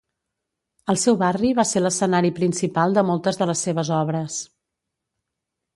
El seu barri va ser l'escenari principal de moltes de les seves obres.